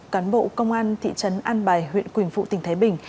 cán bộ công an thị trấn an bài huyện quỳnh phụ tỉnh thái bình